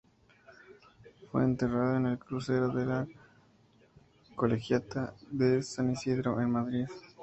Fue enterrado en el crucero de la Colegiata de San Isidro, en Madrid.